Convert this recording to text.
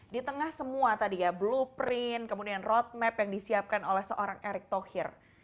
di tengah semua tadi ya blueprint kemudian roadmap yang disiapkan oleh seorang erick thohir